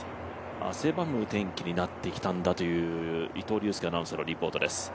汗ばむ天気になってきたんだという伊藤隆佑アナウンサーのリポートです。